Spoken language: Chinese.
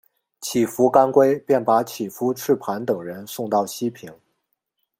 乞伏干归便把乞伏炽磐等人送到西平。